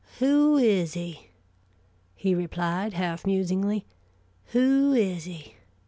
"Who is he?" he replied, half musingly. "Who is he?